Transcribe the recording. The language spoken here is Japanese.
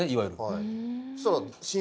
はい。